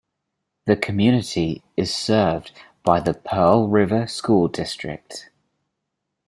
The community is served by the Pearl River School District.